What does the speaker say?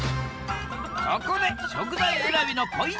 ここで食材選びのポイント！